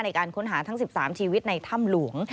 ในการค้นหาทั้ง๑๓ชีวิตในถ้ำหลวง